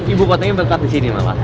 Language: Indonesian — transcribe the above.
ibukotanya berada di sini malah